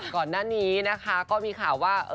ก่อนหน้านี้นะคะก็มีข่าวว่า